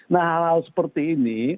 nah hal hal seperti ini